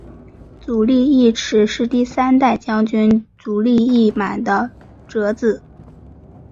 足利义持是第三代将军足利义满的庶子。